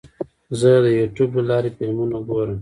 زه د یوټیوب له لارې فلمونه ګورم.